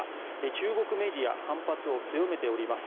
中国メディア反発を強めております。